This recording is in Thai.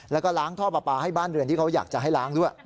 แล้วก็ล้างท่อปลาปลาให้บ้านเรือนที่เขาอยากจะให้ล้างด้วย